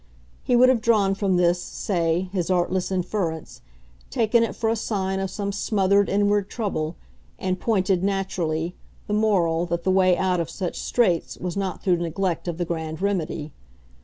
He would have drawn from this, say, his artless inference taken it for a sign of some smothered inward trouble and pointed, naturally, the moral that the way out of such straits was not through neglect of the grand remedy.